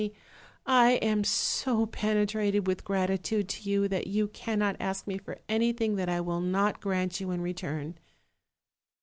me; I am so penetrated with gratitude to yon that you cannot ask me for anything that I will not grant you in return.'